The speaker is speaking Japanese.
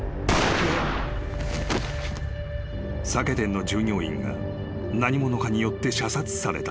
［酒店の従業員が何者かによって射殺された］